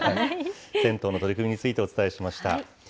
銭湯の取り組みについてお伝えしました。